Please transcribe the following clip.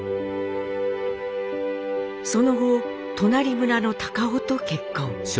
その後隣村のたかをと結婚。